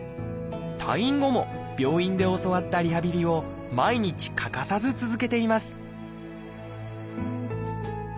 退院後も病院で教わったリハビリを毎日欠かさず続けています